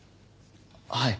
はい。